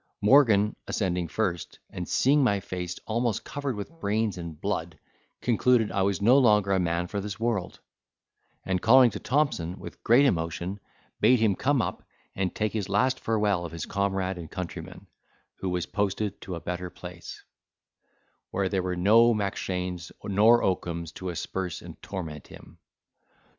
Morgan, ascending first, and seeing my face almost covered with brains and blood, concluded I was no longer a man for this world; and, calling to Thompson with great emotion, bade him come up, and take his last farewell of his comrade and countryman, who was posted to a better place, where there were no Mackshanes nor Oakums to asperse and torment him.